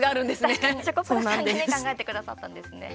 確かにチョコプラさんがね考えてくださったんですね。